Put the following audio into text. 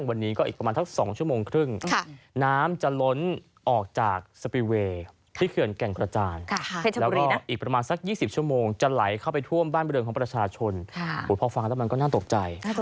ผมพอฟังแล้วมันก็น่าตกใจ